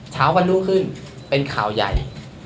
เช้าวันรุ่งขึ้นเป็นข่าวใหญ่